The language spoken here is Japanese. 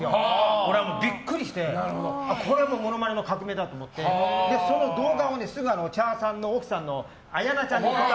俺はビックリしてこれはモノマネの革命だと思ってその動画をすぐ茶さんの奥さんの綾菜ちゃんに。